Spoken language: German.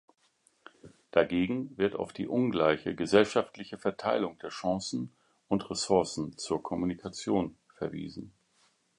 Dagegen wird auf die ungleiche gesellschaftliche Verteilung der Chancen und Ressourcen zur Kommunikation verwiesen.